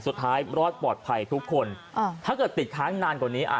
สุดท้ายรอดปลอดภัยทุกคน